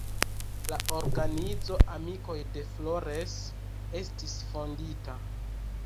La organizo "amikoj de Flores" estis fondita.